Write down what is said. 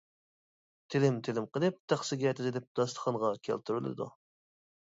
تىلىم-تىلىم قىلىپ تەخسىگە تىزىلىپ داستىخانغا كەلتۈرۈلىدۇ.